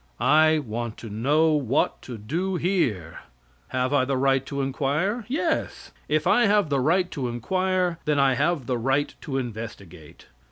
I want to know what to do here. Have I the right to inquire? Yes. If I have the right to inquire, then I have the right to investigate.